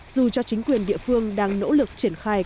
dù cho chính quyền địa phương đang nỗ lực triển khai